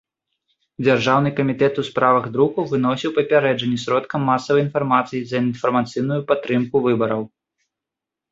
Дзяржаўны камітэт у справах друку выносіў папярэджанні сродкам масавай інфармацыі за інфармацыйную падтрымку выбараў.